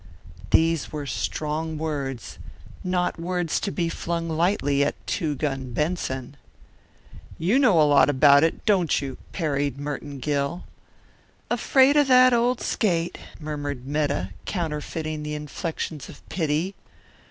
These were strong words; not words to be flung lightly at Two Gun Benson. "You know a lot about it, don't you?" parried Merton Gill. "Afraid of that old skate!" murmured Metta, counterfeiting the inflections of pity.